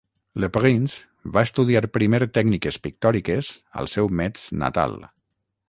Le Prince va estudiar primer tècniques pictòriques al seu Metz natal.